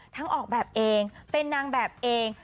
ออกแบบเองเป็นนางแบบเอง